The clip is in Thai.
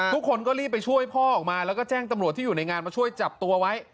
ทุกคนก็รีบไปช่วยพ่อออกมาแล้วก็แจ้งตำรวจที่อยู่ในงานมาช่วยจับตัวไว้